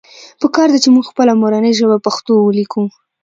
پکار ده چې مونږ خپله مورنۍ ژبه پښتو وليکو